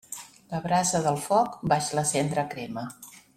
La brasa del foc, baix la cendra crema.